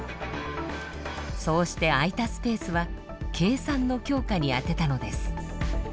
そうして空いたスペースは計算の強化に充てたのです。